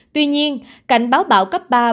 tuy nhiên cảnh báo bão cấp ba